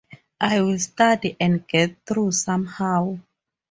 I will study and get through somehow.